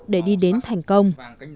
để đi đến thành công